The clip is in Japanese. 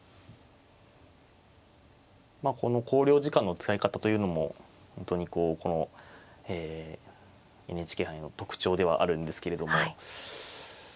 この考慮時間の使い方というのも本当にこうこのＮＨＫ杯の特徴ではあるんですけれども。